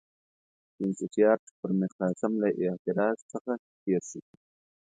وینسیټیارټ پر میرقاسم له اعتراض څخه تېر شو.